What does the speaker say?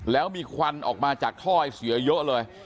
แล้วมีควันออกมาจากถ้อยเสียเยอะเลย